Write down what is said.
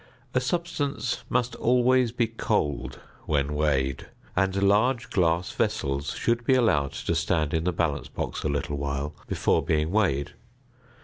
A substance must always be cold when weighed, and large glass vessels should be allowed to stand in the balance box a little while before being weighed.